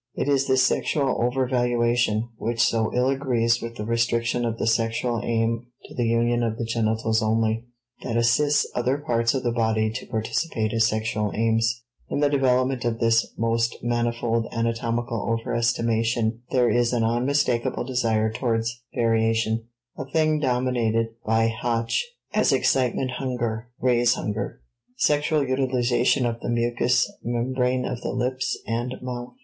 It is this sexual overvaluation, which so ill agrees with the restriction of the sexual aim to the union of the genitals only, that assists other parts of the body to participate as sexual aims. In the development of this most manifold anatomical overestimation there is an unmistakable desire towards variation, a thing denominated by Hoche as "excitement hunger" (Reiz hunger). *Sexual Utilization of the Mucous Membrane of the Lips and Mouth.